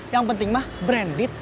yang penting mah branded